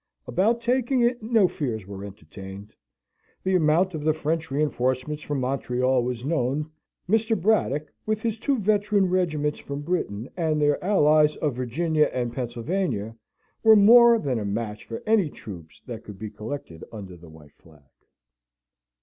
About taking it no fears were entertained; the amount of the French reinforcements from Montreal was known. Mr. Braddock, with his two veteran regiments from Britain, and their allies of Virginia and Pennsylvania, were more than a match for any troops that could be collected under the white flag.